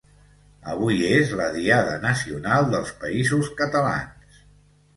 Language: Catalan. Avui és la Diada Nacional dels Països Catalans